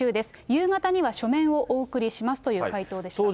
夕方には書面をお送りしますという回答でした。